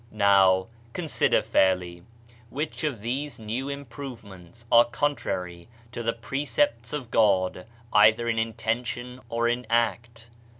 Now, consider fairly, which of these new im provements are contrary to the precepts of God, either in intention or in act?